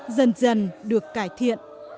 dần dần được cải thiện